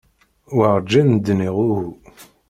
Werǧin d-nniɣ uhu.